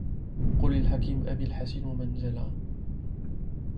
قل للحكيم أبي الحسين ومن جلا